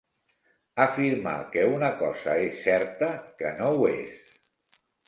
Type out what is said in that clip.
Afirmar que una cosa és certa, que no ho és.